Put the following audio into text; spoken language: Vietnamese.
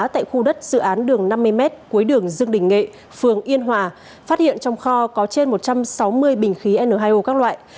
tại khu đất dự án đường năm mươi m cuối đường dương đình nghệ phường yên hòa phát hiện trong kho có trên một trăm sáu mươi bình khí n hai o các loại